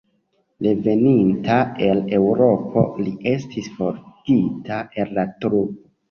Reveninta al Eŭropo li estis forigita el la trupo.